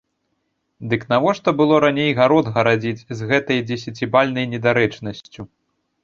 Дык навошта было раней гарод гарадзіць з гэтай дзесяцібальнай недарэчнасцю?